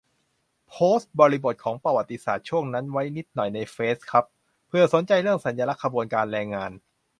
โพสต์บริบทของประวัติศาสตร์ช่วงนั้นไว้นิดหน่อยในเฟซครับ เผื่อสนใจ เรื่องสัญลักษณ์ขบวนการแรงงาน